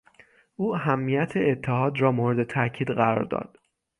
او اهمیت اتحاد را مورد تاکید قرار داد.